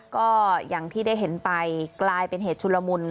ก็อย่างที่ได้เห็นไปกลายเป็นเหตุชุลมุน